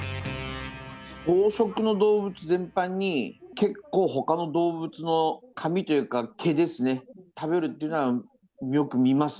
草食の動物全般に、結構、ほかの動物の髪というか毛ですね、食べるっていうのはよく見ます。